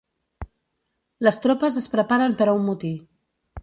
Les tropes es preparen per a un motí.